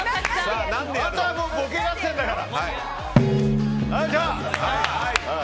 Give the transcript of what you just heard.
あとはもうボケ合戦だから。